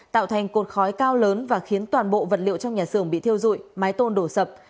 tạo thành cột khói cao lớn và khiến toàn bộ vật liệu trong nhà xưởng bị thiêu dụi mái tôn đổ sập